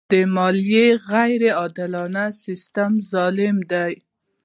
د مالیې غیر عادلانه سیستم ظلم دی.